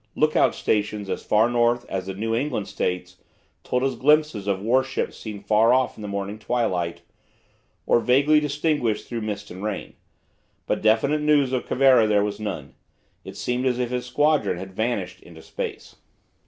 Look out stations as far north as the New England States told of glimpses of warships seen far off in the morning twilight, or vaguely distinguished through mist and rain. But definite news of Cervera there was none. It seemed as if his squadron had vanished into space.